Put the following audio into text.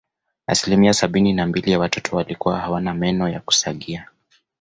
Asilimia sabini na mbili ya watoto walikuwa hawana meno ya kusagia